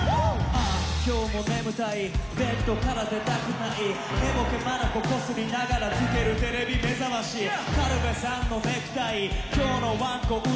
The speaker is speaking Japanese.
「ああ今日も眠たいベッドから出たくない」「寝ぼけ眼こすりながらつけるテレビ『めざまし』」「軽部さんのネクタイきょうのわんこ占い」